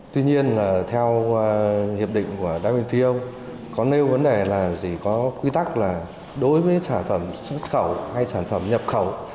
tuy nhiên theo hiệp định của wto có nêu vấn đề là gì có quy tắc là đối với sản phẩm xuất khẩu hay sản phẩm nhập khẩu